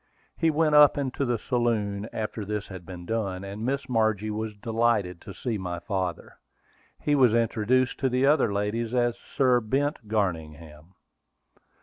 We went up into the saloon after this had been done, and Miss Margie was delighted to see my father. He was introduced to the other ladies as Sir Bent Garningham.